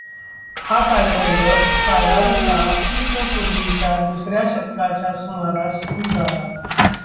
हा कालखंड साधारणतः इ. स. पूर्वीच्या दुसर् या शतकाच्या सुमारास सुरू झाला.